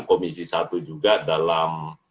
komisi satu juga dalam